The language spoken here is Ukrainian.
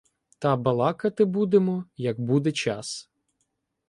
Та балакати будемо, як буде час.